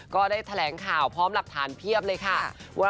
ก็ได้แถลงข่าวพร้อมหลักฐานเพียบเลยค่ะ